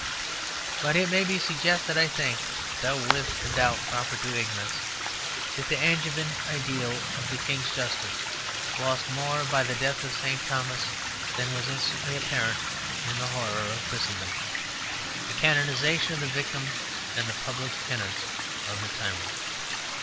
But it may be suggested, I think, though with the doubt proper to ignorance, that the Angevin ideal of the King's justice lost more by the death of St. Thomas than was instantly apparent in the horror of Christendom, the canonization of the victim and the public penance of the tyrant.